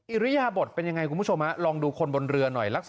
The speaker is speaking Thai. อิริยบทเป็นยังไงคุณผู้ชมลองดูคนบนเรือหน่อยลักษณะ